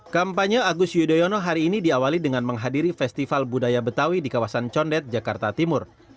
kampanye agus yudhoyono hari ini diawali dengan menghadiri festival budaya betawi di kawasan condet jakarta timur